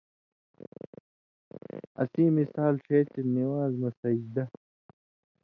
اسیں مِثال ݜے چے نِوان٘ز مہ سجدہ۔